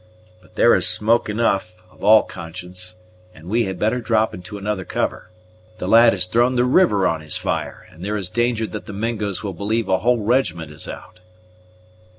But there is smoke enough, of all conscience, and we had better drop into another cover. The lad has thrown the river on his fire, and there is danger that the Mingoes will believe a whole regiment is out."